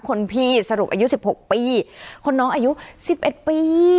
คนพี่สรุปอายุ๑๖ปีคนน้องอายุ๑๑ปี